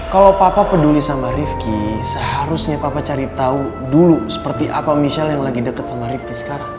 kalau papa peduli sama rifki seharusnya papa cari tahu dulu seperti apa michelle yang lagi deket sama rifki sekarang